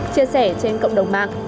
chia sẻ trên cộng đồng mạng